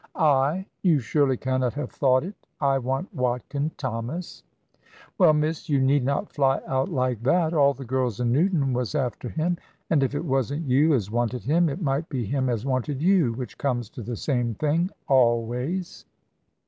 "I! You surely cannot have thought it! I want Watkin Thomas!" "Well, miss, you need not fly out like that. All the girls in Newton was after him. And if it wasn't you as wanted him, it might be him as wanted you, which comes to the same thing always."